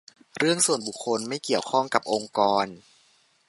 "เรื่องส่วนบุคคล ไม่เกี่ยวข้องกับองค์กร"